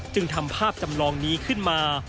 จึงทำภาพจำลองนี้ขึ้นมา